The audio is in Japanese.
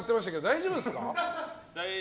大丈夫です。